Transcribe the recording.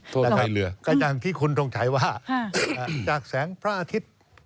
โทษให้เรือครับอย่างที่คุณต้องใช้ว่าจากแสงพระอาทิตย์